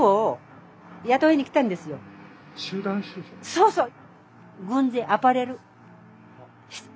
そうそう。